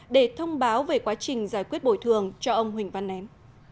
để thông báo về quá trình giải quyết bồi thường cho ông huỳnh văn nén